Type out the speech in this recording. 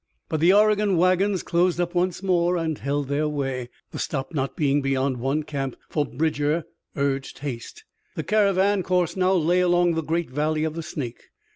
But the Oregon wagons closed up once more and held their way, the stop not being beyond one camp, for Bridger urged haste. The caravan course now lay along the great valley of the Snake.